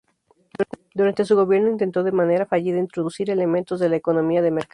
Durante su gobierno, intentó de manera fallida, introducir elementos de la economía de mercado.